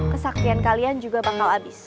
kesaktian kalian juga bakal habis